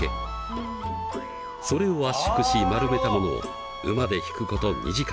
それを圧縮し丸めたものを馬で引くこと２時間。